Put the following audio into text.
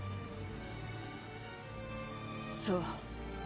そう。